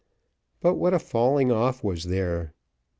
But what a falling off was there!